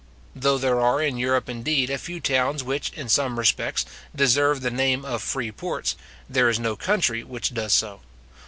Though there are in Europe indeed, a few towns which, in same respects, deserve the name of free ports, there is no country which does so.